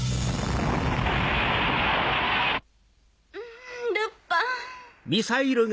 んんルパン！